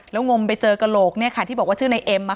แล้วงมไปเจอกระโหลกเนี้ยค่ะที่บอกว่าชื่อในเอ็มอะค่ะ